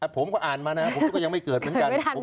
ผมก็อ่านมั้ยผมก็ยังไม่เกิดเหมือนกันเกิดไม่ทัน